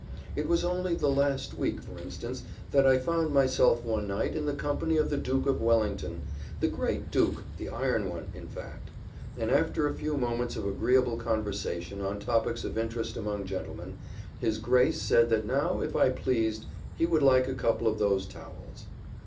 It was only the last week, for instance, that I found myself one night in the company of the Duke of Wellington, the great Duke, the Iron one, in fact; and after a few moments of agreeable conversation on topics of interest among gentlemen, his Grace said that now, if I pleased, he would like a couple of those towels.